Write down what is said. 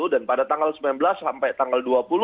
dan pada tanggal sembilan belas sampai tanggal dua puluh